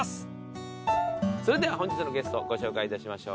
それでは本日のゲストをご紹介いたしましょう。